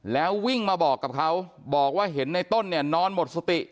แล้ววิ่งมาบอกกับเขาบอกว่าเห็นในต้นเนี่ยนอนหมดสติ